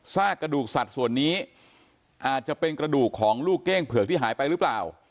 กระดูกสัตว์ส่วนนี้อาจจะเป็นกระดูกของลูกเก้งเผือกที่หายไปหรือเปล่า